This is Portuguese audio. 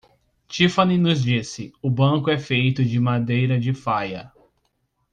Tiffany nos disse, o banco é feito de madeira de faia.